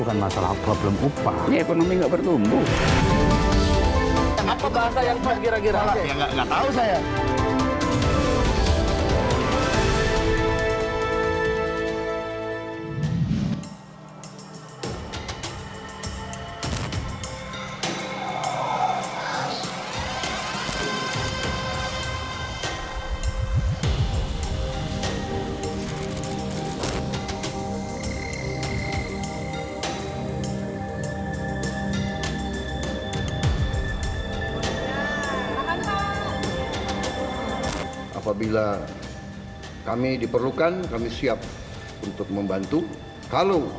dan mesra gitu pak ya sangat mesra